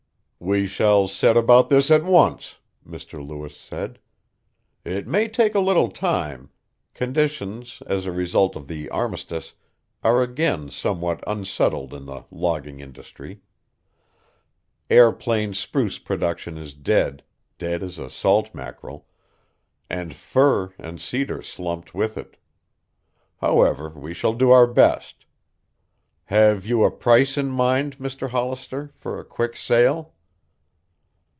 "We shall set about this at once," Mr. Lewis said. "It may take a little time conditions, as a result of the armistice, are again somewhat unsettled in the logging industry. Airplane spruce production is dead dead as a salt mackerel and fir and cedar slumped with it. However we shall do our best. Have you a price in mind, Mr. Hollister, for a quick sale?"